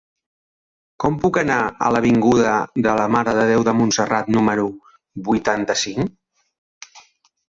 Com puc anar a l'avinguda de la Mare de Déu de Montserrat número vuitanta-cinc?